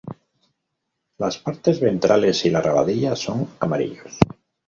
Las partes ventrales y la rabadilla son amarillos.